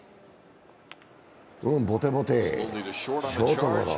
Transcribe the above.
ボテボテ、ショートゴロ。